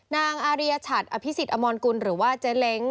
อาริยชัดอภิษฎอมรกุลหรือว่าเจ๊เล้ง